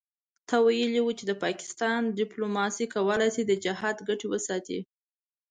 ته ویلي وو چې د پاکستان دیپلوماسي کولای شي د جهاد ګټې وساتي.